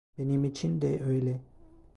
Benim için de öyle.